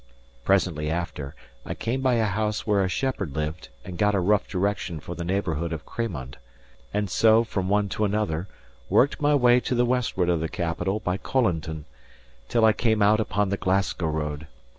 Presently after, I came by a house where a shepherd lived, and got a rough direction for the neighbourhood of Cramond; and so, from one to another, worked my way to the westward of the capital by Colinton, till I came out upon the Glasgow road.